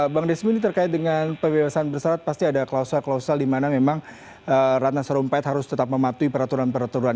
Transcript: bang desmin ini terkait dengan pebebasan bersarat pasti ada klausul klausul di mana memang ratna serumpet harus tetap mematuhi peraturan peraturan